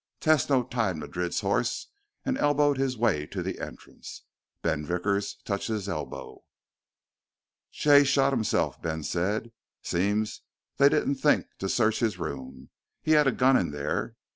Tesno tied Madrid's horse and elbowed his way to the entrance. Ben Vickers touched his elbow. "Jay shot himself," Ben said. "Seems they didn't think to search his room. He had a gun in there.